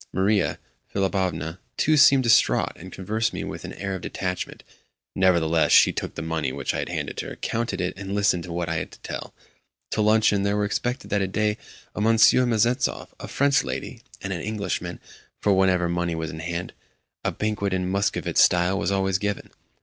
Maria Philipovna, too, seemed distraught, and conversed with me with an air of detachment. Nevertheless, she took the money which I handed to her, counted it, and listened to what I had to tell. To luncheon there were expected that day a Monsieur Mezentsov, a French lady, and an Englishman; for, whenever money was in hand, a banquet in Muscovite style was always given.